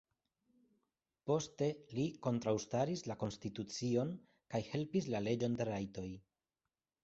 Poste, li kontraŭstaris la konstitucion kaj helpis la leĝon de rajtoj.